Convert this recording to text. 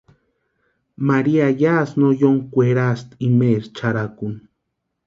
María yásï no yóni kwerasti imaeri charhakuni.